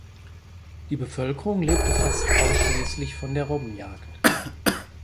Die Bevölkerung lebte fast ausschließlich von der Robbenjagd.